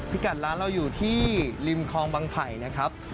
พี่กัดร้านเราอยู่ที่ริมคลองบังไผ่นะครับ